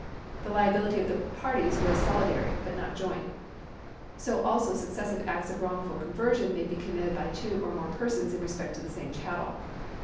The liability of the })arties was solidary, but not joint. ' So also successive acts of wrongful conversion may be committed by two or moie persons in respect of the same chattel.